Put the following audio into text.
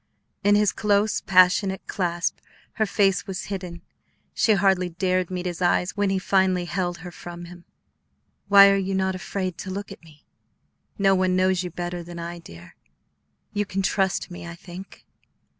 In his close, passionate clasp her face was hidden; she hardly dared meet his eyes when he finally held her from him. "Why, you are not afraid to look at me? No one knows you better than I, dear; you can trust me, I think."